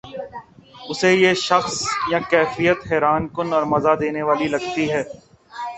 اسے یہ شخص یا کیفیت حیران کن اور مزا دینے والی لگتی ہے